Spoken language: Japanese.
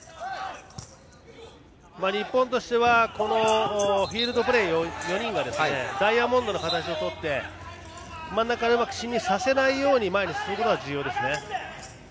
日本としてはフィールドプレーヤーの４人がダイヤモンドの形を取って真ん中でうまく進入させないように前に進むことが重要ですね。